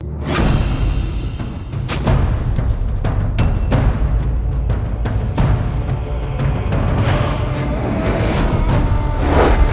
tidak akan kupuat para penerbangan di mer seseorang